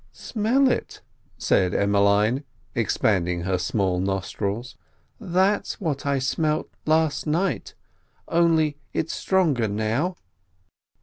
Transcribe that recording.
"Smell it," said Emmeline, expanding her small nostrils. "That's what I smelt last night, only it's stronger now."